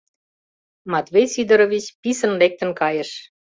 Матвей Сидорович писын лектын кайыш.